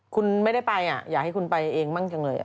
คุณไม่ได้ไปอยากให้คุณไปเองบ้างจังเลย